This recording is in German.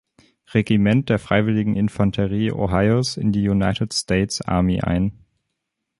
Regiment der freiwilligen Infanterie Ohios in die United States Army ein.